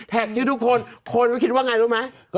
ชื่อทุกคนคนก็คิดว่าไงรู้ไหม